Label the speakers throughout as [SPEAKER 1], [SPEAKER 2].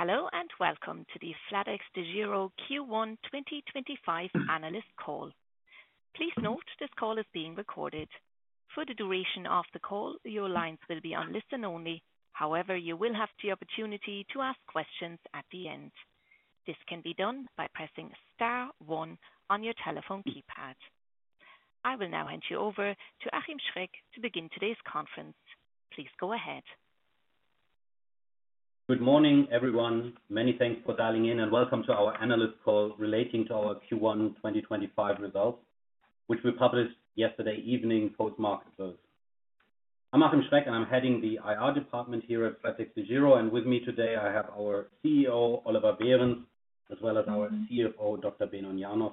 [SPEAKER 1] Hello and Welcome to the flatexDEGIRO Q1 2025 Analyst Call. Please note this call is being recorded. For the duration of the call, your lines will be on listen only. However, you will have the opportunity to ask questions at the end. This can be done by pressing star one on your telephone keypad. I will now hand you over to Achim Schreck to begin today's conference. Please go ahead.
[SPEAKER 2] Good morning, everyone. Many thanks for dialing in, and welcome to our analyst call relating to our Q1 2025 results, which we published yesterday evening post-market close. I'm Achim Schreck, and I'm heading the IR department here at flatexDEGIRO. With me today, I have our CEO, Oliver Behrens, as well as our CFO, Dr. Benon Janos,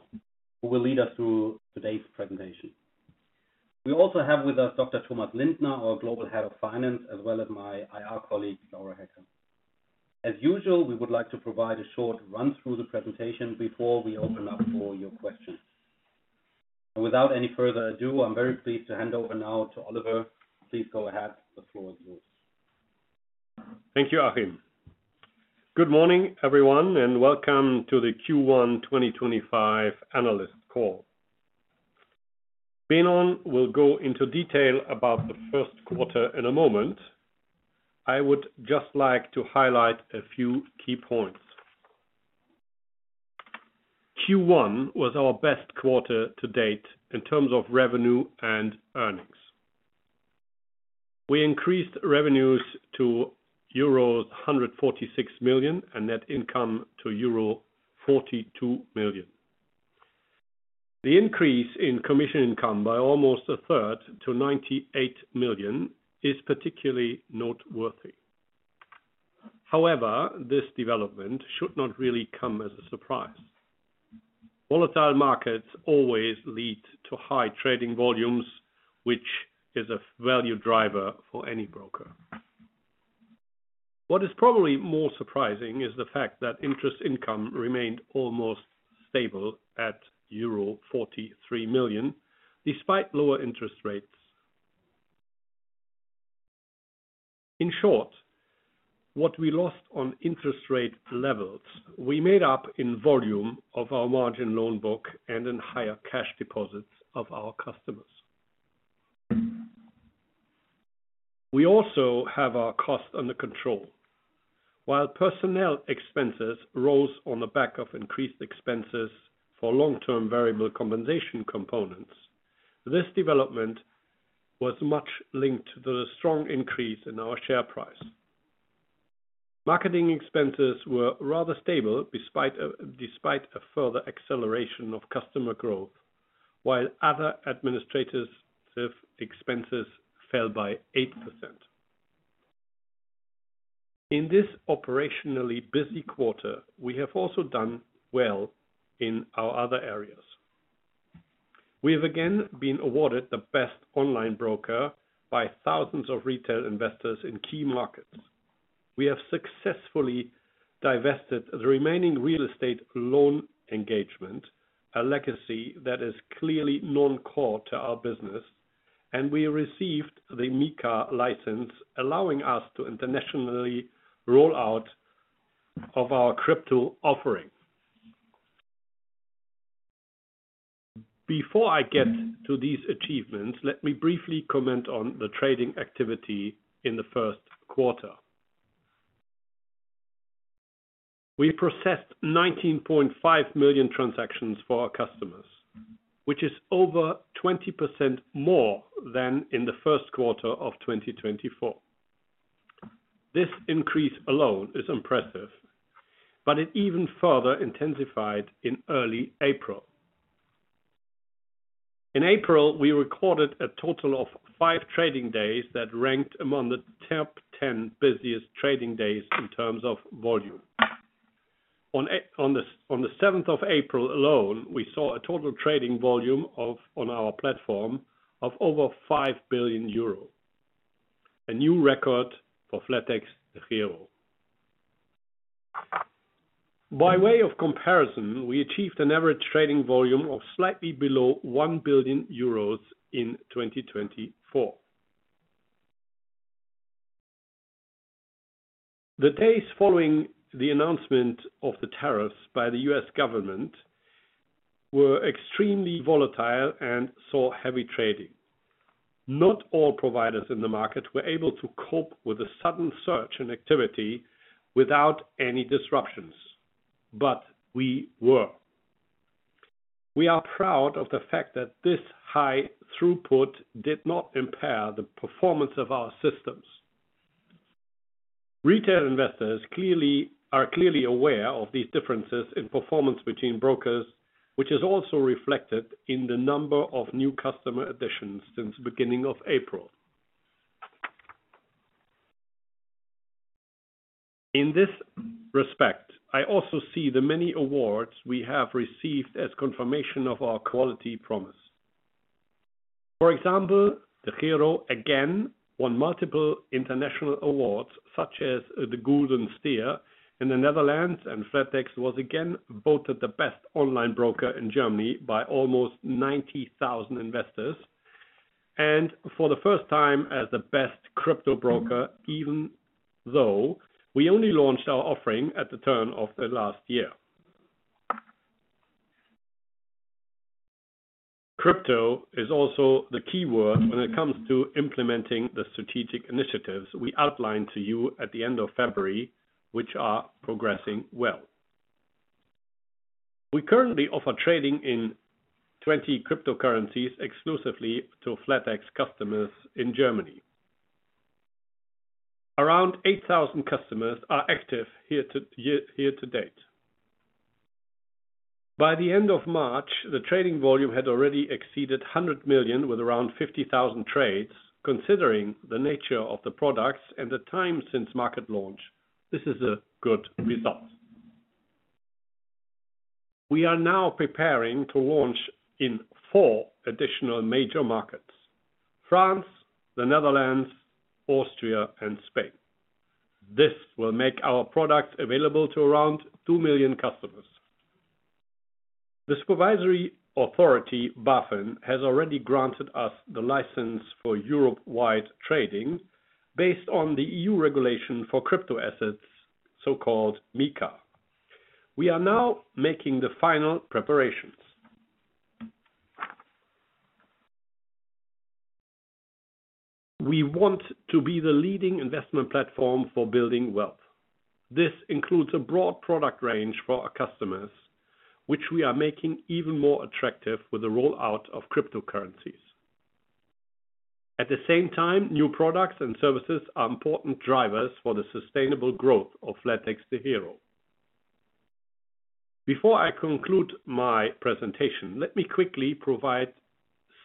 [SPEAKER 2] who will lead us through today's presentation. We also have with us Dr. Thomas Lindner, our Global Head of Finance, as well as my IR colleague, Laura Hecker. As usual, we would like to provide a short run-through of the presentation before we open up for your questions. Without any further ado, I'm very pleased to hand over now to Oliver. Please go ahead. The floor is yours.
[SPEAKER 3] Thank you, Achim. Good morning, everyone, and welcome to the Q1 2025 analyst call. Benon will go into detail about the Q1 in a moment. I would just like to highlight a few key points. Q1 was our best quarter to date in terms of revenue and earnings. We increased revenues to euro 146 million and net income to euro 42 million. The increase in commission income by almost a third to 98 million is particularly noteworthy. However, this development should not really come as a surprise. Volatile markets always lead to high trading volumes, which is a value driver for any broker. What is probably more surprising is the fact that interest income remained almost stable at euro 43 million despite lower interest rates. In short, what we lost on interest rate levels, we made up in volume of our margin loan book and in higher cash deposits of our customers. We also have our cost under control. While personnel expenses rose on the back of increased expenses for long-term variable compensation components, this development was much linked to the strong increase in our share price. Marketing expenses were rather stable despite a further acceleration of customer growth, while other administrative expenses fell by 8%. In this operationally busy quarter, we have also done well in our other areas. We have again been awarded the best online broker by thousands of retail investors in key markets. We have successfully divested the remaining real estate loan engagement, a legacy that is clearly non-core to our business, and we received the MiCA license, allowing us to internationally roll out of our crypto offering. Before I get to these achievements, let me briefly comment on the trading activity in the Q1. We processed 19.5 million transactions for our customers, which is over 20% more than in the Q1 of 2024. This increase alone is impressive, but it even further intensified in early April. In April, we recorded a total of five trading days that ranked among the top 10 busiest trading days in terms of volume. On the 7th of April 2025 alone, we saw a total trading volume on our platform of over 5 billion euro, a new record for flatexDEGIRO. By way of comparison, we achieved an average trading volume of slightly below 1 billion euros in 2024. The days following the announcement of the tariffs by the U.S. government were extremely volatile and saw heavy trading. Not all providers in the market were able to cope with the sudden surge in activity without any disruptions, but we were. We are proud of the fact that this high throughput did not impair the performance of our systems. Retail investors are clearly aware of these differences in performance between brokers, which is also reflected in the number of new customer additions since the beginning of April. In this respect, I also see the many awards we have received as confirmation of our quality promise. For example, DEGIRO again won multiple international awards such as the Gouden Stier in the Netherlands, and flatexDEGIRO was again voted the best online broker in Germany by almost 90,000 investors. For the first time as the best crypto broker, even though we only launched our offering at the turn of the last year. Crypto is also the key word when it comes to implementing the strategic initiatives we outlined to you at the end of February, which are progressing well. We currently offer trading in 20 cryptocurrencies exclusively to flatexDEGIRO customers in Germany. Around 8,000 customers are active here to date. By the end of March, the trading volume had already exceeded 100 million with around 50,000 trades. Considering the nature of the products and the time since market launch, this is a good result. We are now preparing to launch in four additional major markets: France, the Netherlands, Austria, and Spain. This will make our products available to around 2 million customers. The Supervisory Authority, BaFin, has already granted us the license for Europe-wide trading based on the EU regulation for crypto assets, so-called MiCA. We are now making the final preparations. We want to be the leading investment platform for building wealth. This includes a broad product range for our customers, which we are making even more attractive with the rollout of cryptocurrencies. At the same time, new products and services are important drivers for the sustainable growth of flatexDEGIRO. Before I conclude my presentation, let me quickly provide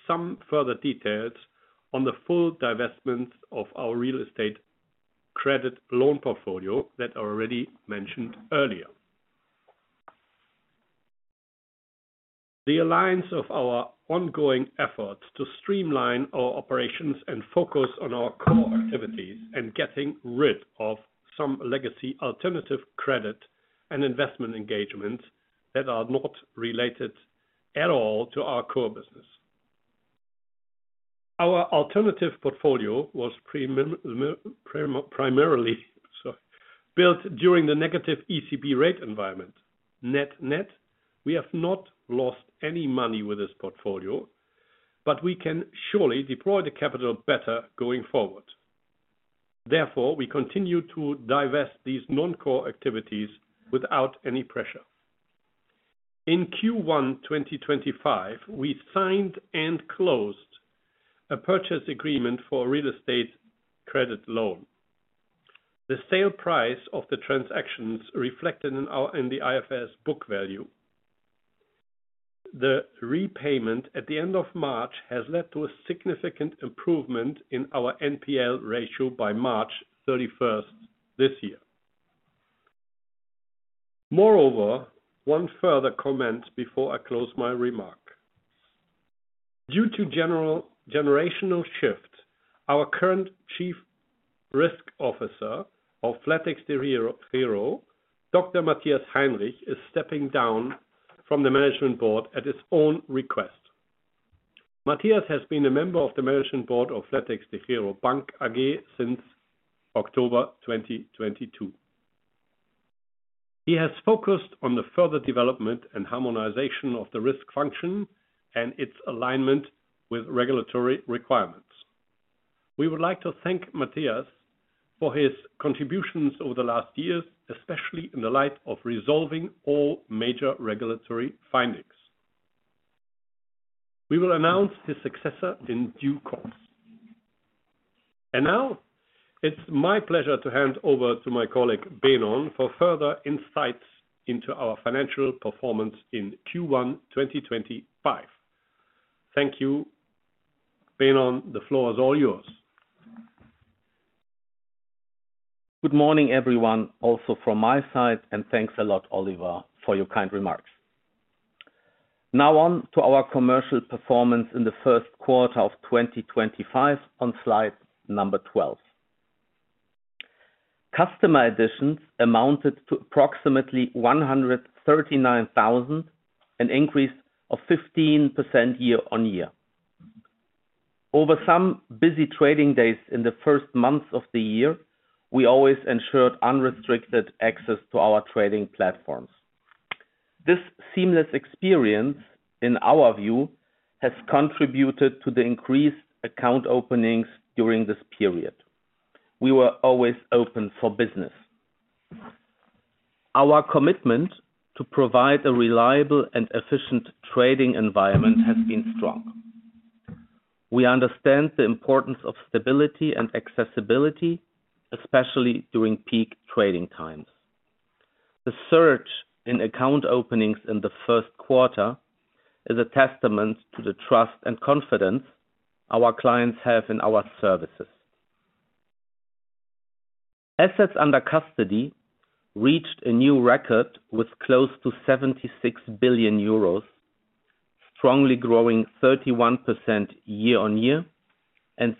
[SPEAKER 3] some further details on the full divestment of our real estate credit loan portfolio that I already mentioned earlier. The alliance of our ongoing efforts to streamline our operations and focus on our core activities and getting rid of some legacy alternative credit and investment engagements that are not related at all to our core business. Our alternative portfolio was primarily built during the negative ECB rate environment. Net net, we have not lost any money with this portfolio, but we can surely deploy the capital better going forward. Therefore, we continue to divest these non-core activities without any pressure. In Q1 2025, we signed and closed a purchase agreement for a real estate credit loan. The sale price of the transactions reflected in the IFRS book value. The repayment at the end of March has led to a significant improvement in our NPL ratio by March 31 this year. Moreover, one further comment before I close my remark. Due to generational shift, our current Chief Risk Officer of flatexDEGIRO, Dr. Matthias Heinrich, is stepping down from the management board at his own request. Matthias has been a member of the management board of flatexDEGIRO Bank AG since October 2022. He has focused on the further development and harmonization of the risk function and its alignment with regulatory requirements. We would like to thank Matthias for his contributions over the last year, especially in the light of resolving all major regulatory findings. We will announce his successor in due course. It is my pleasure to hand over to my colleague Benon for further insights into our financial performance in Q1 2025. Thank you. Benon, the floor is all yours.
[SPEAKER 4] Good morning, everyone, also from my side, and thanks a lot, Oliver, for your kind remarks. Now on to our commercial performance in the Q1 of 2025 on slide number 12. Customer additions amounted to approximately 139,000, an increase of 15% year-on-year. Over some busy trading days in the first months of the year, we always ensured unrestricted access to our trading platforms. This seamless experience, in our view, has contributed to the increased account openings during this period. We were always open for business. Our commitment to provide a reliable and efficient trading environment has been strong. We understand the importance of stability and accessibility, especially during peak trading times. The surge in account openings in the Q1 is a testament to the trust and confidence our clients have in our services. Assets under custody reached a new record with close to 76 billion euros, strongly growing 31% year-on-year and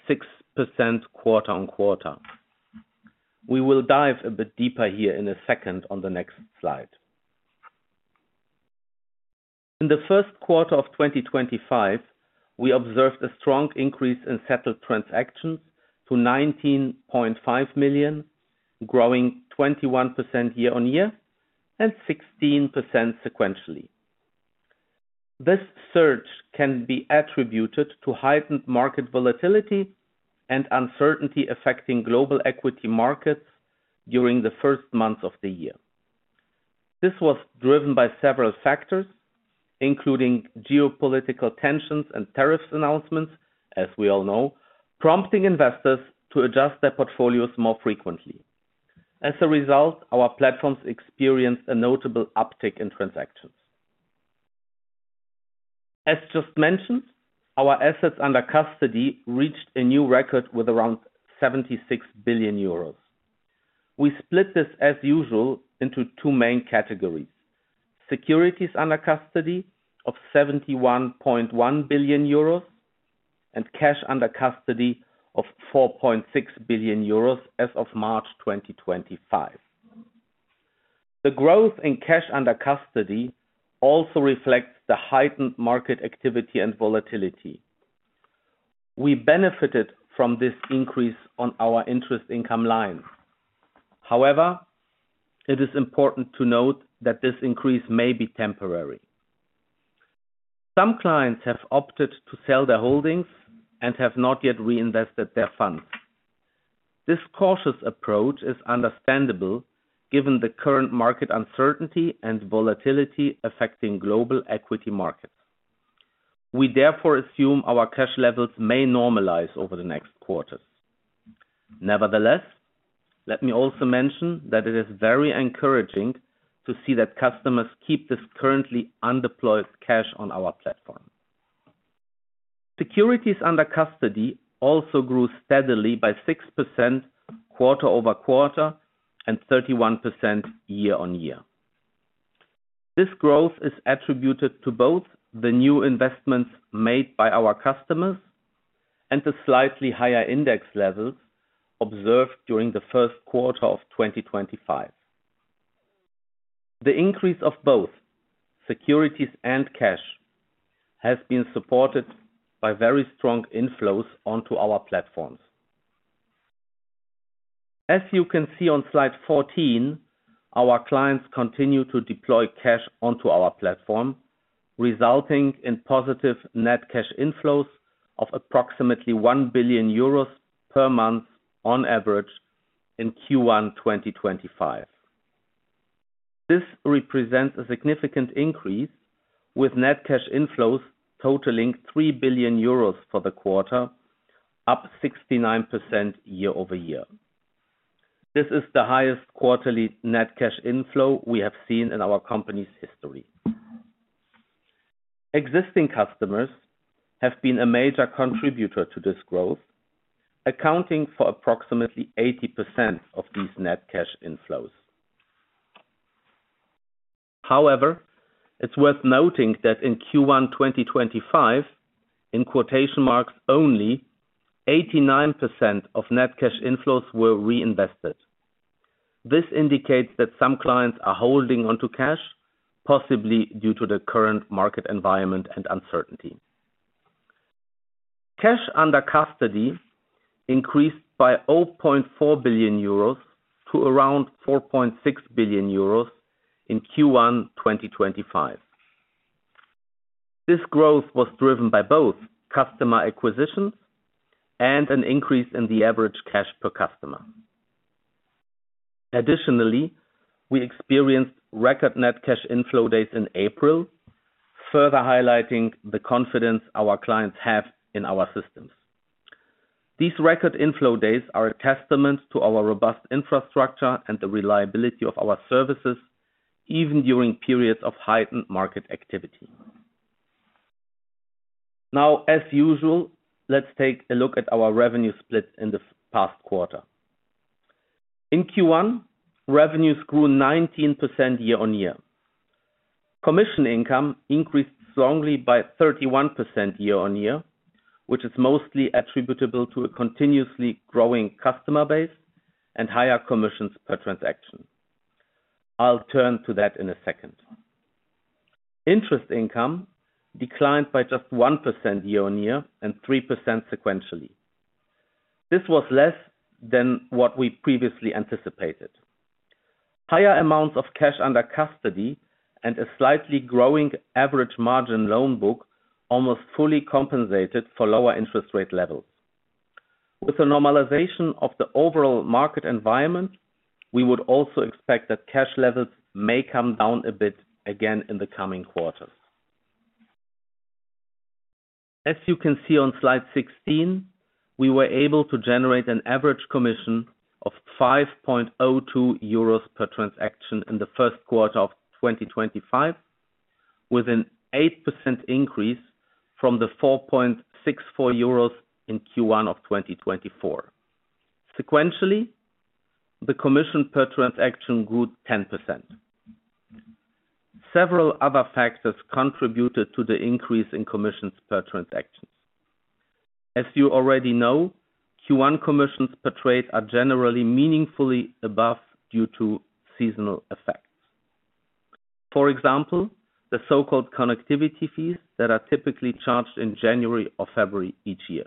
[SPEAKER 4] 6% quarter-on-quarter. We will dive a bit deeper here in a second on the next slide. In the Q1 of 2025, we observed a strong increase in settled transactions to 19.5 million, growing 21% year-on-year and 16% sequentially. This surge can be attributed to heightened market volatility and uncertainty affecting global equity markets during the first months of the year. This was driven by several factors, including geopolitical tensions and tariffs announcements, as we all know, prompting investors to adjust their portfolios more frequently. As a result, our platforms experienced a notable uptick in transactions. As just mentioned, our assets under custody reached a new record with around 76 billion euros. We split this, as usual, into two main categories: securities under custody of 71.1 billion euros and cash under custody of 4.6 billion euros as of March 2025. The growth in cash under custody also reflects the heightened market activity and volatility. We benefited from this increase on our interest income line. However, it is important to note that this increase may be temporary. Some clients have opted to sell their holdings and have not yet reinvested their funds. This cautious approach is understandable given the current market uncertainty and volatility affecting global equity markets. We therefore assume our cash levels may normalize over the next quarters. Nevertheless, let me also mention that it is very encouraging to see that customers keep this currently undeployed cash on our platform. Securities under custody also grew steadily by 6% quarter over quarter and 31% year-on-year. This growth is attributed to both the new investments made by our customers and the slightly higher index levels observed during the Q1 of 2025. The increase of both securities and cash has been supported by very strong inflows onto our platforms. As you can see on Slide 14, our clients continue to deploy cash onto our platform, resulting in positive net cash inflows of approximately 1 billion euros per month on average in Q1 2025. This represents a significant increase, with net cash inflows totaling 3 billion euros for the quarter, up 69% year-over-year. This is the highest quarterly net cash inflow we have seen in our company's history. Existing customers have been a major contributor to this growth, accounting for approximately 80% of these net cash inflows. However, it's worth noting that in Q1 2025, in quotation marks only, "89% of net cash inflows were reinvested". This indicates that some clients are holding onto cash, possibly due to the current market environment and uncertainty. Cash under custody increased by 0.4 billion euros to around 4.6 billion euros in Q1 2025. This growth was driven by both customer acquisitions and an increase in the average cash per customer. Additionally, we experienced record net cash inflow days in April, further highlighting the confidence our clients have in our systems. These record inflow days are a testament to our robust infrastructure and the reliability of our services, even during periods of heightened market activity. Now, as usual, let's take a look at our revenue split in the past quarter. In Q1, revenues grew 19% year-on-year. Commission income increased strongly by 31% year-on-year, which is mostly attributable to a continuously growing customer base and higher commissions per transaction. I'll turn to that in a second. Interest income declined by just 1% year-on-year and 3% sequentially. This was less than what we previously anticipated. Higher amounts of cash under custody and a slightly growing average margin loan book almost fully compensated for lower interest rate levels. With the normalization of the overall market environment, we would also expect that cash levels may come down a bit again in the coming quarters. As you can see on Slide 16, we were able to generate an average commission of 5.02 euros per transaction in the Q1 of 2025, with an 8% increase from the 4.64 euros in Q1 of 2024. Sequentially, the commission per transaction grew 10%. Several other factors contributed to the increase in commissions per transactions. As you already know, Q1 commissions per trade are generally meaningfully above due to seasonal effects. For example, the so-called connectivity fees that are typically charged in January or February each year.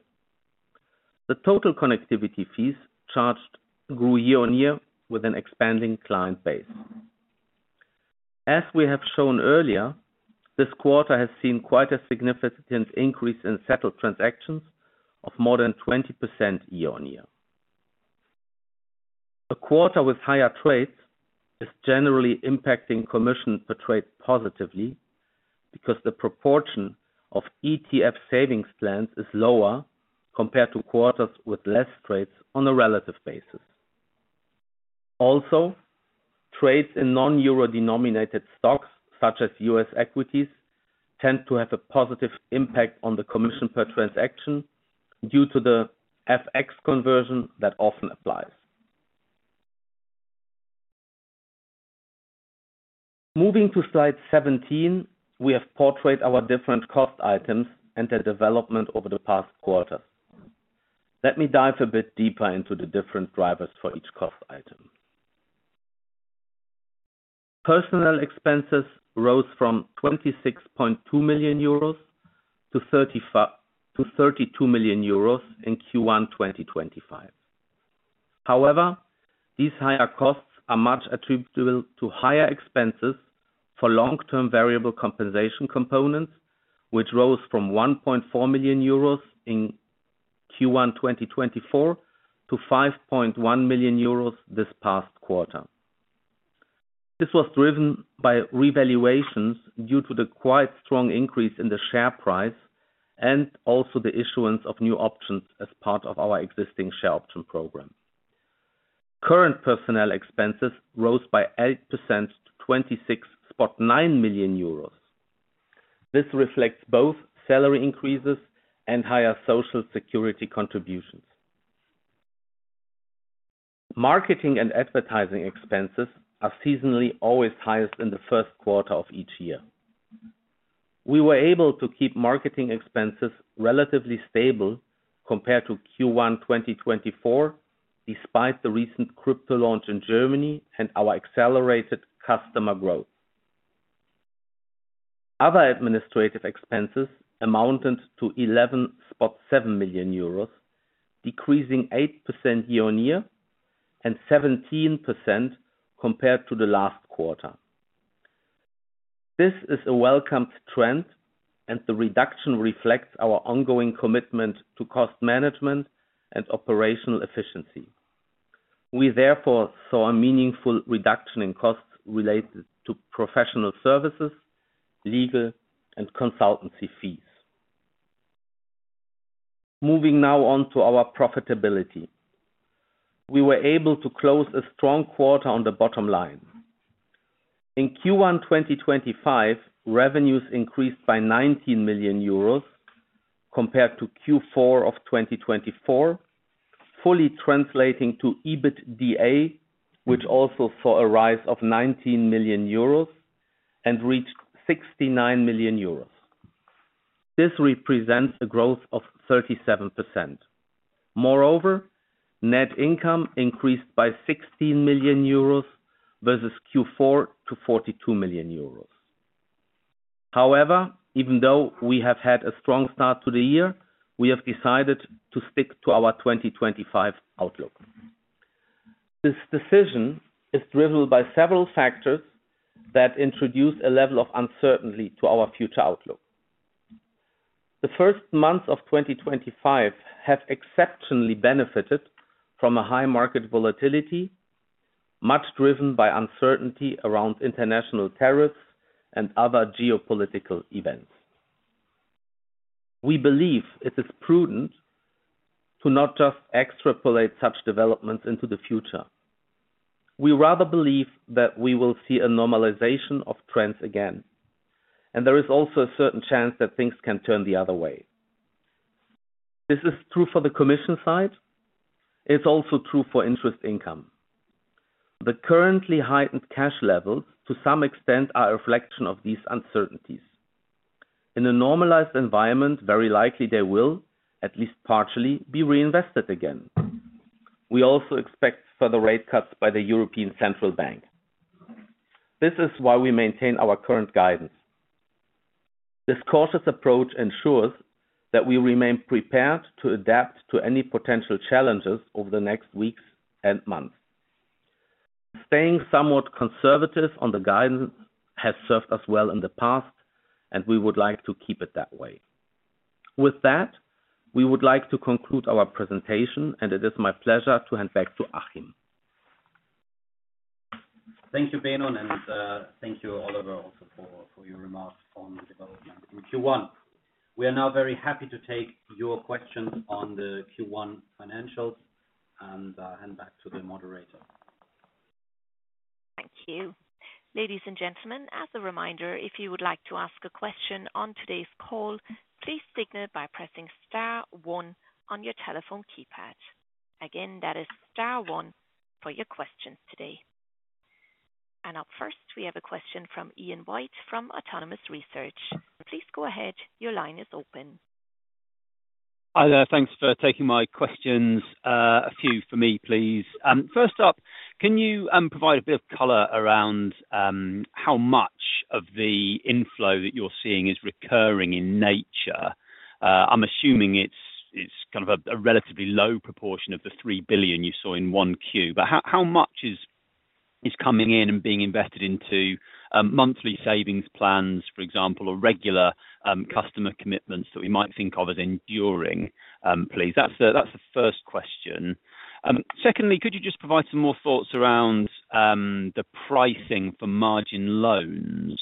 [SPEAKER 4] The total connectivity fees charged grew year-on-year with an expanding client base. As we have shown earlier, this quarter has seen quite a significant increase in settled transactions of more than 20% year-on-year. A quarter with higher trades is generally impacting commission per trade positively because the proportion of ETF savings plans is lower compared to quarters with less trades on a relative basis. Also, trades in non-euro denominated stocks, such as U.S. equities, tend to have a positive impact on the commission per transaction due to the FX conversion that often applies. Moving to Slide 17, we have portrayed our different cost items and their development over the past quarter. Let me dive a bit deeper into the different drivers for each cost item. Personnel expenses rose from 26.2 million-32 million euros in Q1 2025. However, these higher costs are much attributable to higher expenses for long-term variable compensation components, which rose from 1.4 million euros in Q1 2024 to 5.1 million euros this past quarter. This was driven by revaluations due to the quite strong increase in the share price and also the issuance of new options as part of our existing share option program. Current personnel expenses rose by 8% to 26.9 million euros. This reflects both salary increases and higher social security contributions. Marketing and advertising expenses are seasonally always highest in the Q1 of each year. We were able to keep marketing expenses relatively stable compared to Q1 2024, despite the recent crypto launch in Germany and our accelerated customer growth. Other administrative expenses amounted to 11.7 million euros, decreasing 8% year-on-year and 17% compared to the last quarter. This is a welcomed trend, and the reduction reflects our ongoing commitment to cost management and operational efficiency. We therefore saw a meaningful reduction in costs related to professional services, legal, and consultancy fees. Moving now on to our profitability. We were able to close a strong quarter on the bottom line. In Q1 2025, revenues increased by 19 million euros compared to Q4 of 2024, fully translating to EBITDA, which also saw a rise of 19 million euros and reached 69 million euros. This represents a growth of 37%. Moreover, net income increased by 16 million euros versus Q4 to 42 million euros. However, even though we have had a strong start to the year, we have decided to stick to our 2025 outlook. This decision is driven by several factors that introduce a level of uncertainty to our future outlook. The first months of 2025 have exceptionally benefited from a high market volatility, much driven by uncertainty around international tariffs and other geopolitical events. We believe it is prudent to not just extrapolate such developments into the future. We rather believe that we will see a normalization of trends again, and there is also a certain chance that things can turn the other way. This is true for the commission side. It's also true for interest income. The currently heightened cash levels, to some extent, are a reflection of these uncertainties. In a normalized environment, very likely they will, at least partially, be reinvested again. We also expect further rate cuts by the European Central Bank. This is why we maintain our current guidance. This cautious approach ensures that we remain prepared to adapt to any potential challenges over the next weeks and months. Staying somewhat conservative on the guidance has served us well in the past, and we would like to keep it that way. With that, we would like to conclude our presentation, and it is my pleasure to hand back to Achim.
[SPEAKER 2] Thank you, Benon, and thank you, Oliver, also for your remarks on the development in Q1. We are now very happy to take your questions on the Q1 financials and hand back to the moderator.
[SPEAKER 1] Thank you. Ladies and gentlemen, as a reminder, if you would like to ask a question on today's call, please signal by pressing star one on your telephone keypad. Again, that is star one for your questions today. Up first, we have a question from Ian White from Autonomous Research. Please go ahead. Your line is open.
[SPEAKER 5] Thanks for taking my questions. A few for me, please. First up, can you provide a bit of color around how much of the inflow that you're seeing is recurring in nature? I'm assuming it's kind of a relatively low proportion of the 3 billion you saw in 1Q. But how much is coming in and being invested into monthly savings plans, for example, or regular customer commitments that we might think of as enduring, please? That's the first question. Secondly, could you just provide some more thoughts around the pricing for margin loans?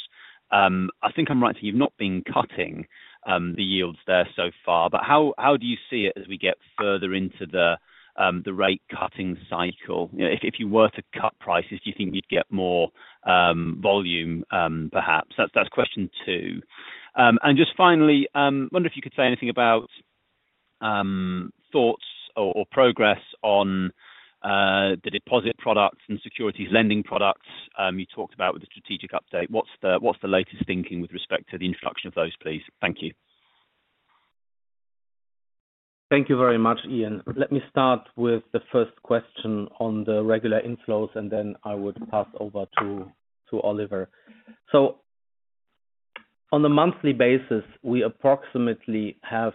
[SPEAKER 5] I think I'm right that you've not been cutting the yields there so far, but how do you see it as we get further into the rate cutting cycle? If you were to cut prices, do you think you'd get more volume, perhaps? That's question two. Just finally, I wonder if you could say anything about thoughts or progress on the deposit products and securities lending products you talked about with the strategic update. What is the latest thinking with respect to the introduction of those, please? Thank you.
[SPEAKER 4] Thank you very much, Ian. Let me start with the first question on the regular inflows, and then I would pass over to Oliver. On the monthly basis, we approximately have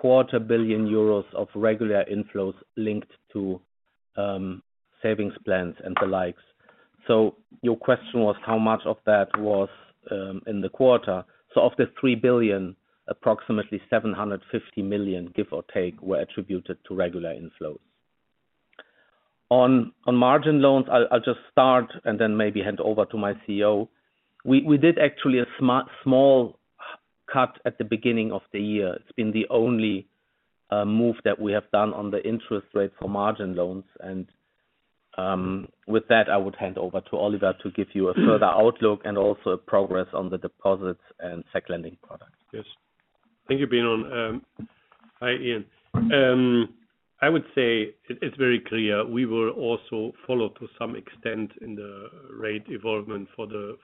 [SPEAKER 4] 250 million euros of regular inflows linked to savings plans and the likes. Your question was how much of that was in the quarter. Of the 3 billion, approximately 750 million, give or take, were attributed to regular inflows. On margin loans, I'll just start and then maybe hand over to my CEO. We did actually a small cut at the beginning of the year. It's been the only move that we have done on the interest rate for margin loans. With that, I would hand over to Oliver to give you a further outlook and also progress on the deposits and sec lending products.
[SPEAKER 3] Yes. Thank you, Benon. Hi, Ian. I would say it's very clear. We will also follow to some extent in the rate evolvement for the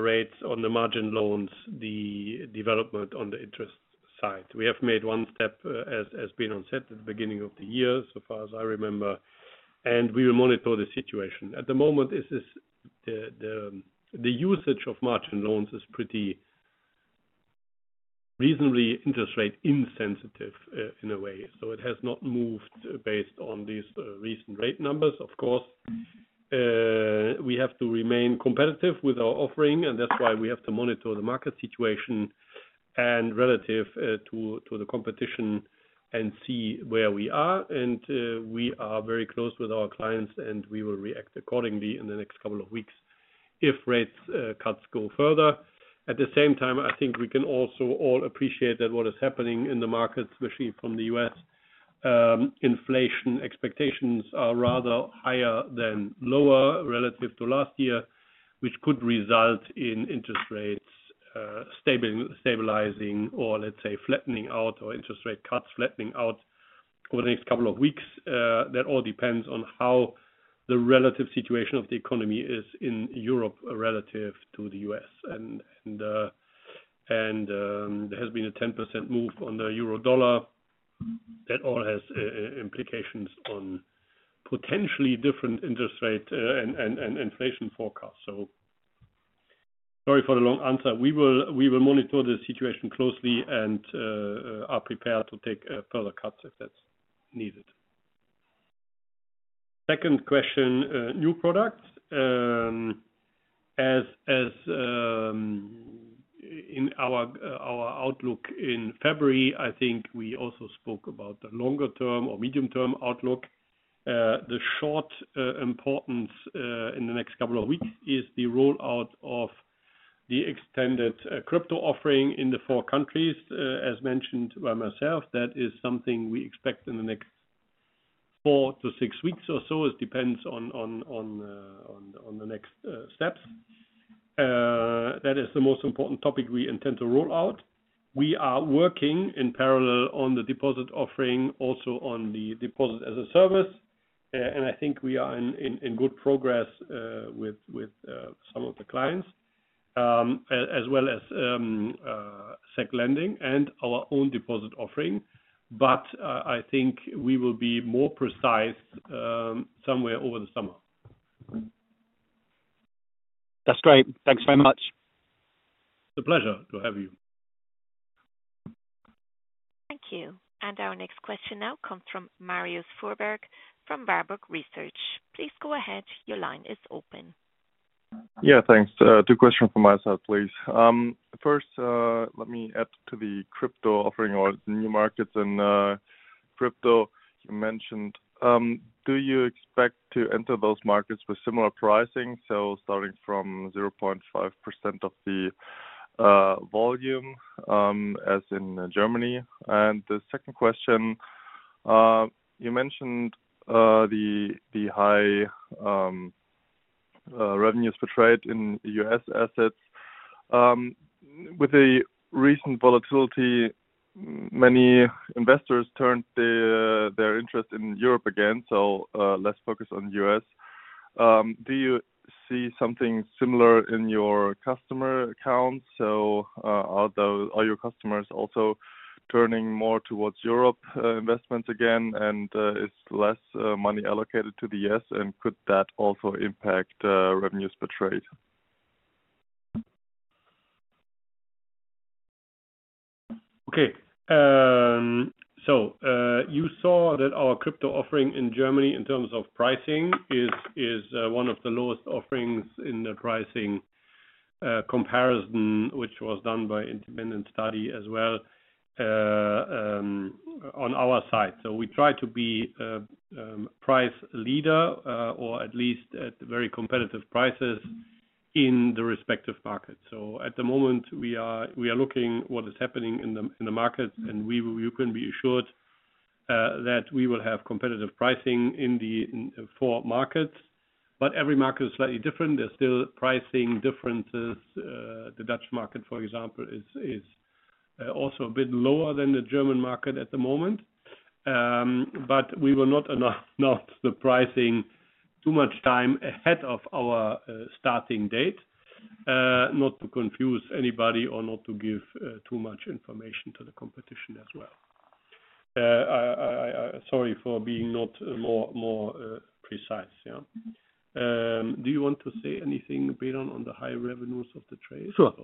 [SPEAKER 3] rates on the margin loans, the development on the interest side. We have made one step, as Benon said, at the beginning of the year, so far as I remember, and we will monitor the situation. At the moment, the usage of margin loans is pretty reasonably interest rate insensitive in a way. It has not moved based on these recent rate numbers, of course. We have to remain competitive with our offering, and that's why we have to monitor the market situation and relative to the competition and see where we are. We are very close with our clients, and we will react accordingly in the next couple of weeks if rate cuts go further. At the same time, I think we can also all appreciate that what is happening in the markets, especially from the U.S., inflation expectations are rather higher than lower relative to last year, which could result in interest rates stabilizing or, let's say, flattening out or interest rate cuts flattening out over the next couple of weeks. That all depends on how the relative situation of the economy is in Europe relative to the U.S.. There has been a 10% move on the euro/dollar. That all has implications on potentially different interest rate and inflation forecasts. Sorry for the long answer. We will monitor the situation closely and are prepared to take further cuts if that's needed. Second question, new products. As in our outlook in February, I think we also spoke about the longer-term or medium-term outlook. The short importance in the next couple of weeks is the rollout of the extended crypto offering in the four countries. As mentioned by myself, that is something we expect in the next four to six weeks or so. It depends on the next steps. That is the most important topic we intend to roll out. We are working in parallel on the deposit offering, also on the deposit as a service. I think we are in good progress with some of the clients, as well as sec lending and our own deposit offering. I think we will be more precise somewhere over the summer.
[SPEAKER 5] That's great. Thanks very much.
[SPEAKER 3] It's a pleasure to have you.
[SPEAKER 1] Thank you. Our next question now comes from Marius Fuhrberg from Warburg Research. Please go ahead. Your line is open.
[SPEAKER 6] Yeah, thanks. Two questions for myself, please. First, let me add to the crypto offering or the new markets and crypto you mentioned. Do you expect to enter those markets with similar pricing, so starting from 0.5% of the volume as in Germany? The second question, you mentioned the high revenues per trade in U.S. assets. With the recent volatility, many investors turned their interest in Europe again, so less focus on the U.S.. Do you see something similar in your customer accounts? Are your customers also turning more towards Europe investments again, and is less money allocated to the U.S.? Could that also impact revenues per trade?
[SPEAKER 3] Okay. You saw that our crypto offering in Germany, in terms of pricing, is one of the lowest offerings in the pricing comparison, which was done by an independent study as well on our side. We try to be a price leader, or at least at very competitive prices in the respective markets. At the moment, we are looking at what is happening in the markets, and you can be assured that we will have competitive pricing in the four markets. Every market is slightly different. There are still pricing differences. The Dutch market, for example, is also a bit lower than the German market at the moment. We will not announce the pricing too much time ahead of our starting date, not to confuse anybody or not to give too much information to the competition as well. Sorry for being not more precise. Yeah. Do you want to say anything, Benon, on the high revenues of the trade?
[SPEAKER 4] Sure.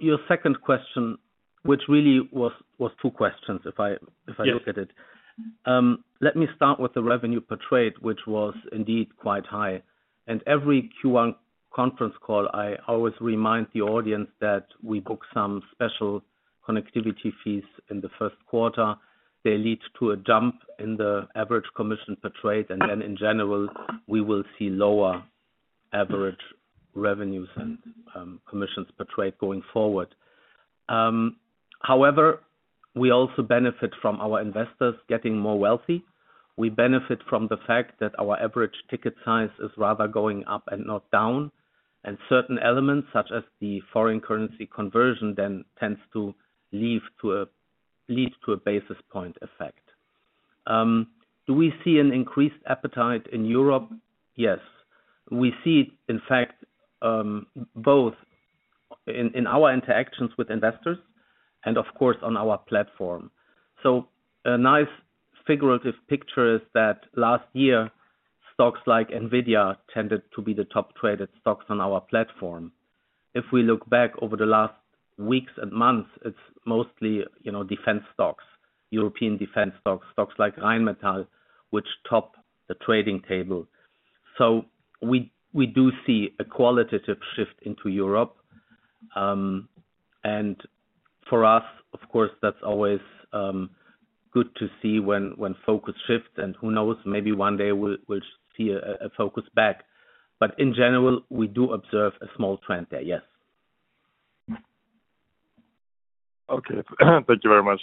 [SPEAKER 4] Your second question, which really was two questions, if I look at it. Let me start with the revenue per trade, which was indeed quite high. Every Q1 conference call, I always remind the audience that we book some special connectivity fees in the Q1. They lead to a jump in the average commission per trade. In general, we will see lower average revenues and commissions per trade going forward. However, we also benefit from our investors getting more wealthy. We benefit from the fact that our average ticket size is rather going up and not down. Certain elements, such as the foreign currency conversion, then tends to lead to a basis point effect. Do we see an increased appetite in Europe? Yes. We see it, in fact, both in our interactions with investors and, of course, on our platform. A nice figurative picture is that last year, stocks like Nvidia tended to be the top-traded stocks on our platform. If we look back over the last weeks and months, it is mostly defense stocks, European defense stocks, stocks like Rheinmetall, which top the trading table. We do see a qualitative shift into Europe. For us, of course, that is always good to see when focus shifts. Who knows, maybe one day we will see a focus back. In general, we do observe a small trend there, yes.
[SPEAKER 6] Okay. Thank you very much.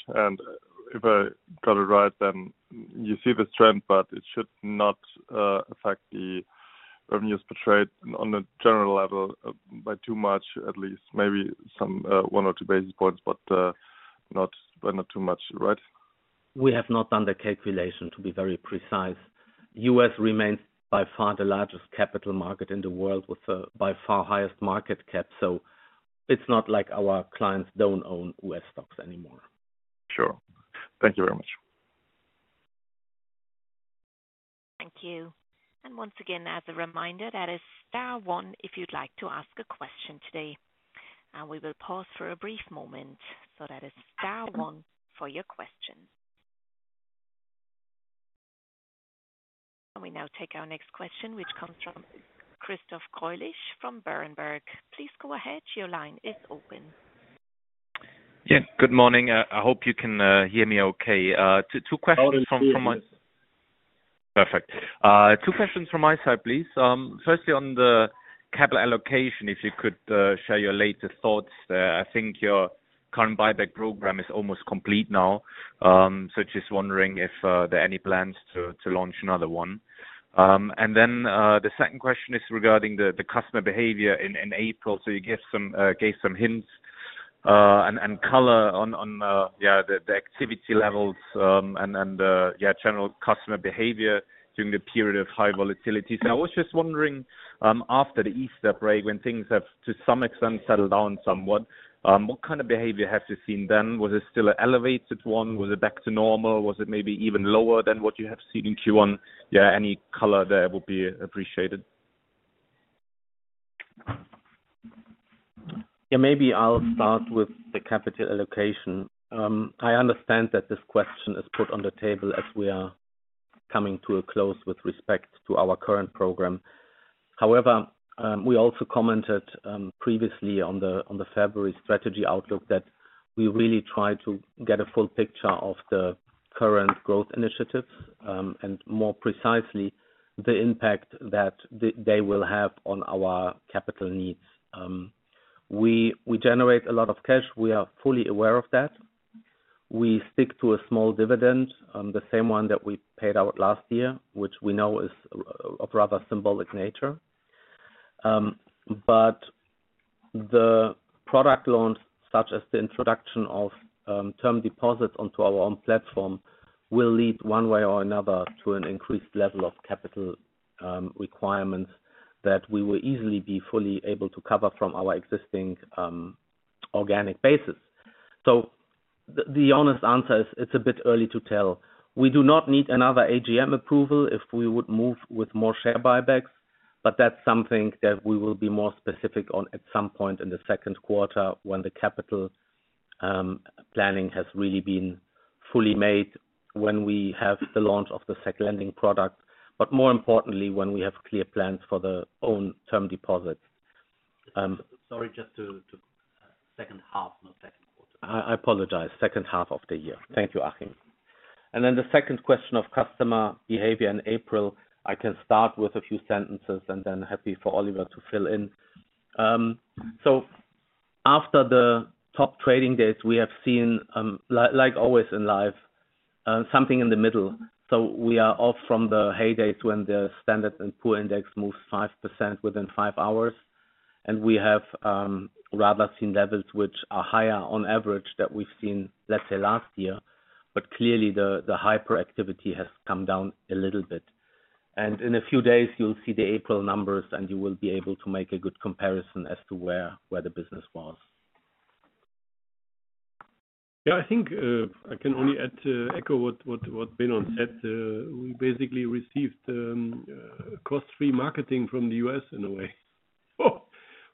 [SPEAKER 6] If I got it right, then you see this trend, but it should not affect the revenues per trade on a general level by too much, at least maybe one or two basis points, but not too much, right?
[SPEAKER 4] We have not done the calculation to be very precise. U.S. remains by far the largest capital market in the world with the by far highest market cap. It is not like our clients do not own U.S. stocks anymore. Sure.
[SPEAKER 6] Thank you very much.
[SPEAKER 1] Thank you. Once again, as a reminder, that is star one if you would like to ask a question today. We will pause for a brief moment. That is star one for your question. We now take our next question, which comes from Christoph Greulich from Berenberg. Please go ahead. Your line is open.
[SPEAKER 7] Yeah. Good morning. I hope you can hear me okay. Two questions from my, perfect. Two questions from my side, please. Firstly, on the capital allocation, if you could share your latest thoughts. I think your current buyback program is almost complete now, so just wondering if there are any plans to launch another one. The second question is regarding the customer behavior in April. You gave some hints and color on, yeah, the activity levels and general customer behavior during the period of high volatility. I was just wondering, after the Easter break, when things have, to some extent, settled down somewhat, what kind of behavior have you seen then? Was it still an elevated one? Was it back to normal? Was it maybe even lower than what you have seen in Q1? Yeah, any color there would be appreciated.
[SPEAKER 4] Yeah, maybe I'll start with the capital allocation. I understand that this question is put on the table as we are coming to a close with respect to our current program. However, we also commented previously on the February strategy outlook that we really try to get a full picture of the current growth initiatives and, more precisely, the impact that they will have on our capital needs. We generate a lot of cash. We are fully aware of that. We stick to a small dividend, the same one that we paid out last year, which we know is of rather symbolic nature. The product launch, such as the introduction of term deposits onto our own platform, will lead one way or another to an increased level of capital requirements that we will easily be fully able to cover from our existing organic basis. The honest answer is it's a bit early to tell. We do not need another AGM approval if we would move with more share buybacks, but that's something that we will be more specific on at some point in the second half when the capital planning has really been fully made, when we have the launch of the sec lending product, but more importantly, when we have clear plans for the own term deposits. Sorry, just to—second half, not Q2. I apologize. Second half of the year. Thank you, Achim. The second question of customer behavior in April, I can start with a few sentences and then happy for Oliver to fill in. After the top trading days, we have seen, like always in life, something in the middle. We are off from the heydays when the Standard and Poor index moves 5% within five hours. We have rather seen levels which are higher on average than we've seen, let's say, last year. Clearly, the hyperactivity has come down a little bit. In a few days, you'll see the April numbers, and you will be able to make a good comparison as to where the business was.
[SPEAKER 3] Yeah, I think I can only echo what Benon said. We basically received cost-free marketing from the U.S. in a way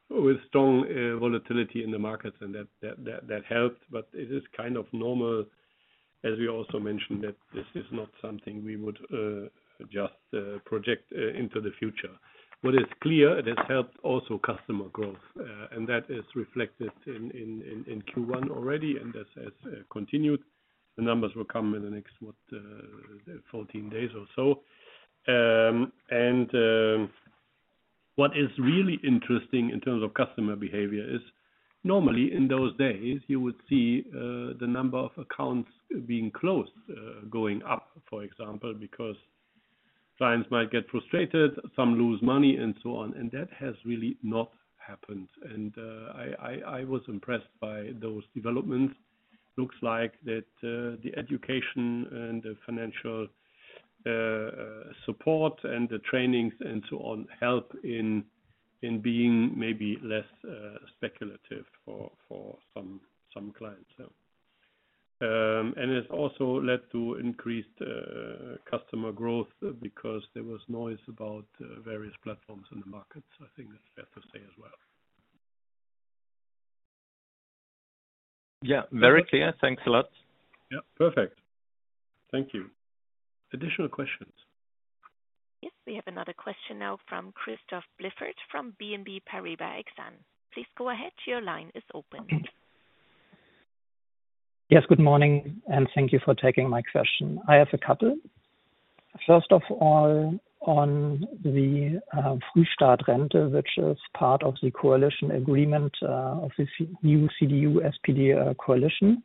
[SPEAKER 3] with strong volatility in the markets, and that helped. It is kind of normal, as we also mentioned, that this is not something we would just project into the future. What is clear, it has helped also customer growth, and that is reflected in Q1 already, and this has continued. The numbers will come in the next, what, 14 days or so. What is really interesting in terms of customer behavior is normally in those days, you would see the number of accounts being closed going up, for example, because clients might get frustrated, some lose money, and so on. That has really not happened. I was impressed by those developments. Looks like that the education and the financial support and the trainings and so on help in being maybe less speculative for some clients. It has also led to increased customer growth because there was noise about various platforms in the markets. I think that's fair to say as well.
[SPEAKER 7] Yeah, very clear. Thanks a lot.
[SPEAKER 3] Yeah, perfect. Thank you. Additional questions?
[SPEAKER 1] Yes, we have another question now from Christoph Blieffert from BNP Paribas Exane. Please go ahead. Your line is open.
[SPEAKER 8] Yes, good morning, and thank you for taking my question. I have a couple. First of all, on the Frühstart-Rente, which is part of the coalition agreement of the new CDU-SPD coalition,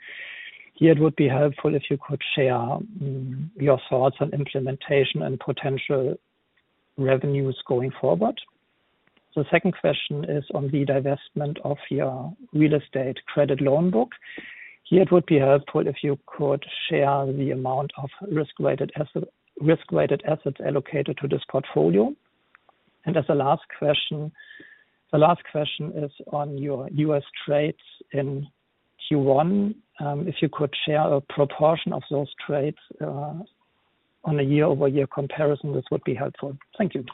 [SPEAKER 8] here it would be helpful if you could share your thoughts on implementation and potential revenues going forward. The second question is on the divestment of your real estate credit loan book. Here it would be helpful if you could share the amount of risk-weighted assets allocated to this portfolio. As a last question, the last question is on your U.S. trades in Q1. If you could share a proportion of those trades on a year-over-year comparison, this would be helpful. Thank you.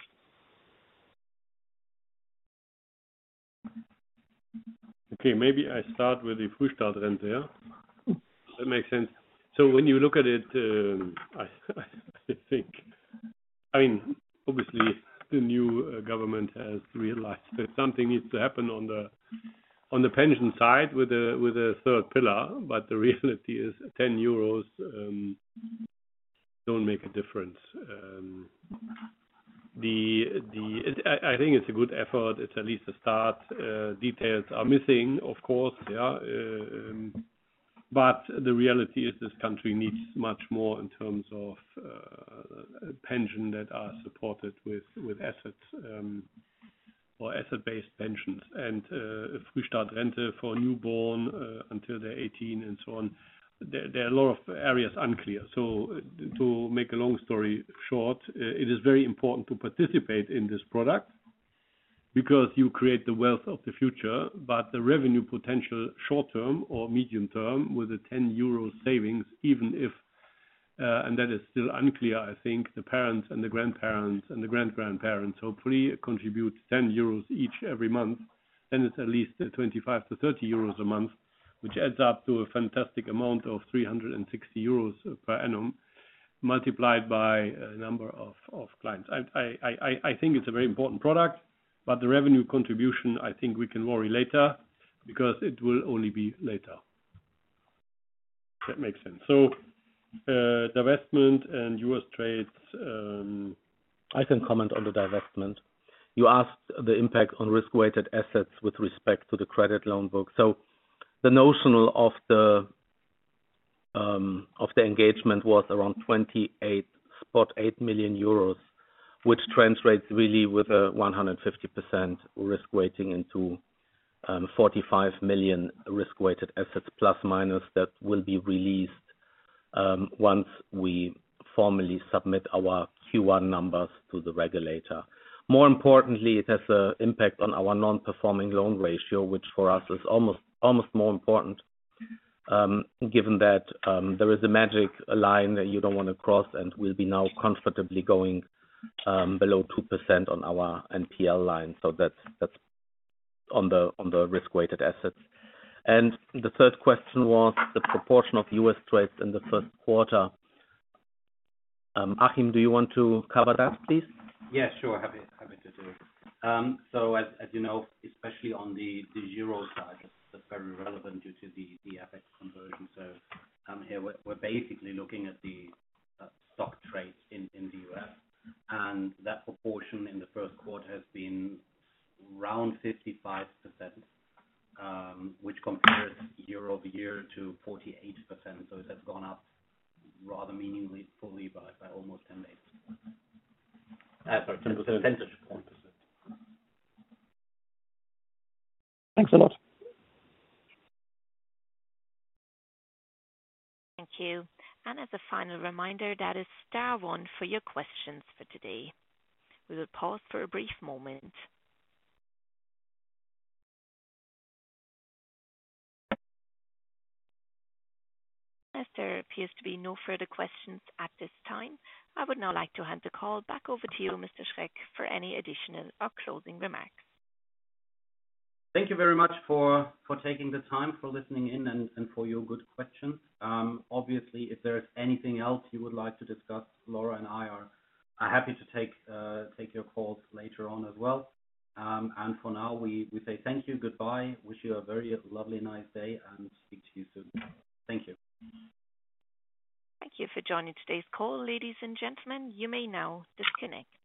[SPEAKER 3] Okay, maybe I start with the Frühstart-Rente, yeah? That makes sense. When you look at it, I think, I mean, obviously, the new government has realized that something needs to happen on the pension side with a third pillar, but the reality is 10 euros do not make a difference. I think it is a good effort. It is at least a start. Details are missing, of course, yeah. The reality is this country needs much more in terms of pension that are supported with assets or asset-based pensions. Frühstart-Rente for newborns until they are 18 and so on, there are a lot of areas unclear. To make a long story short, it is very important to participate in this product because you create the wealth of the future, but the revenue potential short-term or medium-term with the 10 euro savings, even if—and that is still unclear, I think—the parents and the grandparents and the grand-grandparents hopefully contribute 10 euros each every month, then it's at least 25-30 euros a month, which adds up to a fantastic amount of 360 euros per annum multiplied by a number of clients. I think it's a very important product, but the revenue contribution, I think we can worry later because it will only be later.
[SPEAKER 8] That makes sense.
[SPEAKER 4] Divestment and U.S. trades, I can comment on the divestment. You asked the impact on risk-weighted assets with respect to the credit loan book. The notional of the engagement was around 28 million euros, which translates really with a 150% risk weighting into 45 million risk-weighted assets plus minus that will be released once we formally submit our Q1 numbers to the regulator. More importantly, it has an impact on our non-performing loan ratio, which for us is almost more important given that there is a magic line that you do not want to cross, and we will be now comfortably going below 2% on our NPL line. That is on the risk-weighted assets. The third question was the proportion of U.S. trades in the Q1. Achim, do you want to cover that, please?
[SPEAKER 2] Yeah, sure. Happy to do it. As you know, especially on the euro side, that is very relevant due to the FX conversion. Here, we're basically looking at the stock trades in the U.S., and that proportion in the Q1 has been around 55%, which compares year-over-year to 48%. It has gone up rather meaningfully by almost 10 basis points. Sorry, 10 percentage points.
[SPEAKER 8] Thanks a lot.
[SPEAKER 1] Thank you. As a final reminder, that is star one for your questions for today. We will pause for a brief moment. As there appears to be no further questions at this time, I would now like to hand the call back over to you, Mr. Schreck, for any additional or closing remarks.
[SPEAKER 2] Thank you very much for taking the time, for listening in, and for your good questions. Obviously, if there's anything else you would like to discuss, Laura and I are happy to take your calls later on as well. For now, we say thank you, goodbye, wish you a very lovely nice day, and speak to you soon. Thank you.
[SPEAKER 1] Thank you for joining today's call, ladies and gentlemen. You may now disconnect.